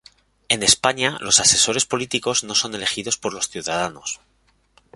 En España, los asesores políticos no son elegidos por los ciudadanos.